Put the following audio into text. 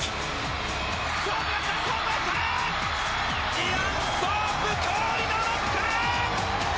イアン・ソープ驚異の６冠！